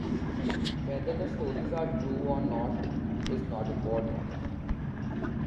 Whether the stories are true or not is not important.